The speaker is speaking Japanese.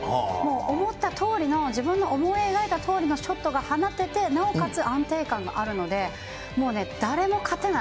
思ったとおりの、自分の思い描いたとおりのショットが放てて、なおかつ安定感があるので、誰も勝てない。